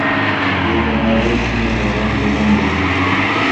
يو کمر روش مي تر غاښو لاندي کو